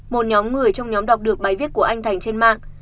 một nhóm người trong nhóm đọc được bài viết của anh thành trên mạng